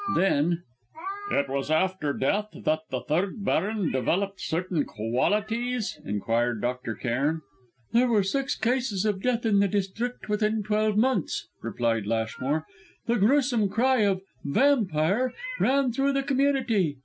Then: "It was after death that the third baron developed certain qualities?" inquired Dr. Cairn. "There were six cases of death in the district within twelve months," replied Lashmore. "The gruesome cry of 'vampire' ran through the community.